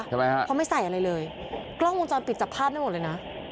ใช่ไหมฮะเพราะไม่ใส่อะไรเลยกล้องมุมจรปิดจับผ้าได้หมดเลยน่ะ